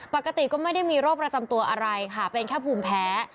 ปกติก็ไม่ได้มีโรคประจำตัวอะไรค่ะเป็นแค่ภูมิแพ้